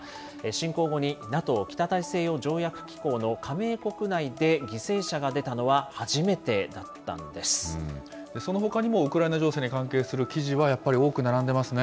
侵攻後にＮＡＴＯ・北大西洋条約機構の加盟国内で犠牲者が出たのそのほかにもウクライナ情勢に関係する記事は、やっぱり多く並んでますね。